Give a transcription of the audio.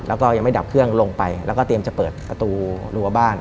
แล้วก็ยังไม่ดับเครื่องลงไปแล้วก็เตรียมจะเปิดประตูรั้วบ้าน